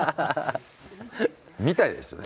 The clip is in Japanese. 見たいですよね。